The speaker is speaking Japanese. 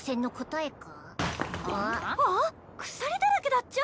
・あっ鎖だらけだっちゃ。